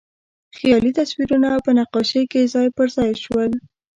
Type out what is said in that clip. خیالي تصویرونه په نقاشۍ کې ځای پر ځای شول.